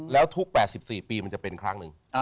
แล้วทุก๘๔ปีมันจะเป็นครั้งหนึ่ง